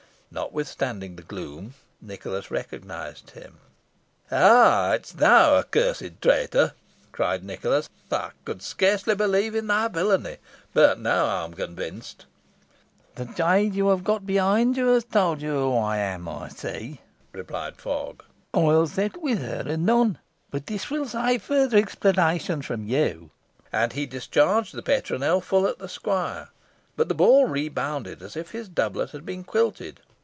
Notwithstanding the gloom, Nicholas recognised him. "Ah! is it thou, accursed traitor?" cried Nicholas. "I could scarcely believe in thy villainy, but now I am convinced." "The jade you have got behind you has told you who I am, I see," replied Fogg. "I will settle with her anon. But this will save further explanations with you!" And he discharged the petronel full at the squire. But the ball rebounded, as if his doublet had been quilted.